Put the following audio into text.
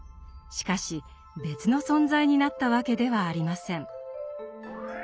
しかし別の存在になったわけではありません。